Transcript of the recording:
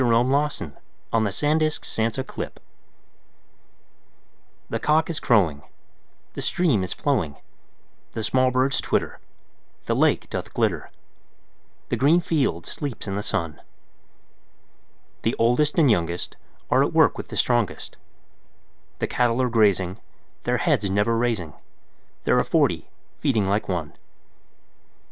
William Wordsworth Written in March THE cock is crowing, The stream is flowing, The small birds twitter, The lake doth glitter The green field sleeps in the sun; The oldest and youngest Are at work with the strongest; The cattle are grazing, Their heads never raising; There are forty feeding like one!